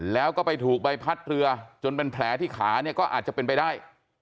แล้วก็ไปถูกใบพัดเรือจนเป็นแผลที่ขาเนี่ยก็อาจจะเป็นไปได้